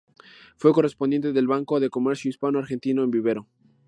Fue correspondiente del Banco de Comercio Hispano Argentino en Vivero.